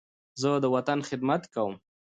زه د وطن خدمت کوم.